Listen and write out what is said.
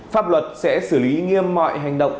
pháp luật sẽ xử lý nghiêm mọi hành động